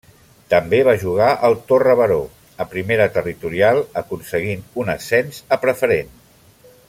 També va jugar al Torre Baró, a Primera Territorial, aconseguint un ascens a Preferent.